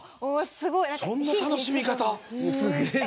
そんな楽しみ方。